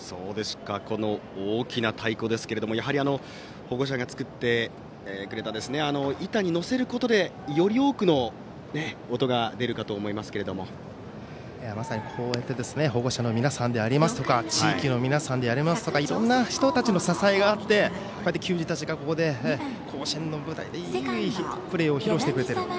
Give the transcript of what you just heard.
大きな太鼓ですけれども保護者が作ってくれた板に載せることでより多くの音が出るかと思いますけれどもまさに、こうやって保護者の皆さんでありますとか地域の皆さんでありますとかいろんな人たちの支えがあって球児たちが甲子園の舞台でいいプレーを披露してくれている。